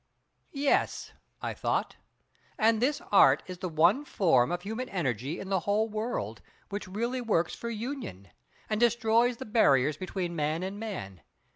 Yes—I thought—and this Art is the one form of human energy in the whole world, which really works for union, and destroys the barriers between man and man.